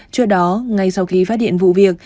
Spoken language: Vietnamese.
trước đó ngay sau khi phát hiện vụ việc